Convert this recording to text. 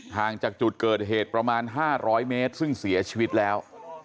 ห่างจากจุดเกิดเหตุประมาณ๕๐๐เมตรซึ่งเสียชีวิตแล้ว